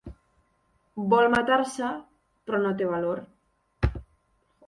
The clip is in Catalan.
Vol matar-se, però no té valor.